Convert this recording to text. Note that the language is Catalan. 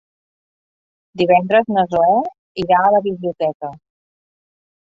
Divendres na Zoè irà a la biblioteca.